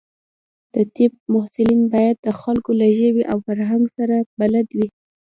د طب محصلین باید د خلکو له ژبې او فرهنګ سره بلد وي.